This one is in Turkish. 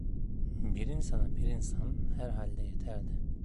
Bir insana bir insan herhalde yeterdi.